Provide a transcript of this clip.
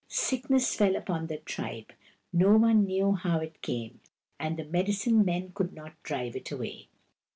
Sickness fell upon the tribe. No one knew how it came, and the medicine men could not drive it away.